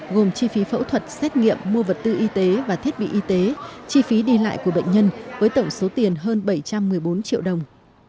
gồm chi phí phẫu thuật xét nghiệm mua vật tư y tế và thiết bị y tế chi phí đi lại của bệnh nhân với tổng số tiền hơn bảy trăm một mươi bốn triệu đồng